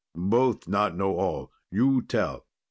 Both not know all. You tell."